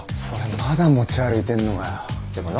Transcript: それまだ持ち歩いてんのかよ。